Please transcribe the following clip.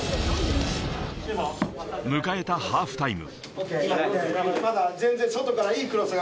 迎えたハーフタイム。